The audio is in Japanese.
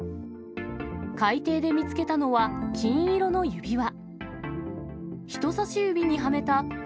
海底で見つけたのは金色の指輪。